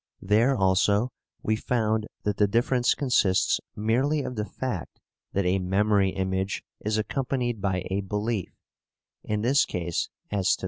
There also we found that the difference consists merely of the fact that a memory image is accompanied by a belief, in this case as to the past.